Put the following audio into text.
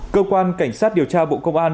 cơ quan cảnh sát điều tra bộ công an